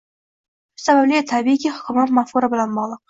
Buning sababi, tabiiyki, hukmron mafkura bilan bogʻliq.